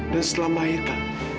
dan setelah melahirkan